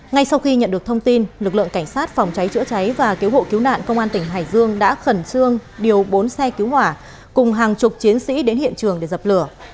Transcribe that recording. ngay sau khi nhận được thông tin lực lượng cảnh sát phòng cháy chữa cháy và cứu hộ cứu nạn công an tỉnh hải dương đã khẩn trương điều bốn xe cứu hỏa cùng hàng chục chiến sĩ đến hiện trường để dập lửa